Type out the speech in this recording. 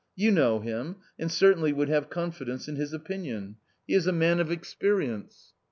You know him, and certainly would have confidence in his opinion. He is a man of experience.